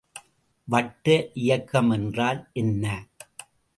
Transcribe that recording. வட்ட இயக்கம் என்றால் என்ன?